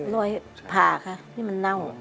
รอยผ่าค่ะนี่มันเน่า